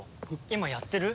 今やってる？